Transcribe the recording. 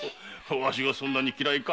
ワシがそんなに嫌いか？